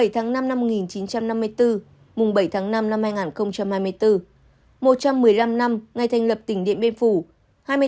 một mươi tháng năm năm một nghìn chín trăm năm mươi bốn mùng bảy tháng năm năm hai nghìn hai mươi bốn một trăm một mươi năm năm ngày thành lập tỉnh điện biên phủ